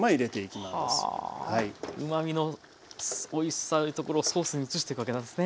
うまみのおいしさのところソースに移していくわけなんですね。